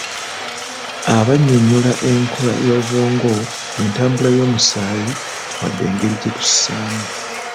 Aba annyonyola enkola y'obwongo, entambula y'omusaayi, wadde engeri gye tussaamu.